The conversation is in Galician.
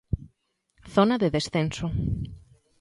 Zona de descenso.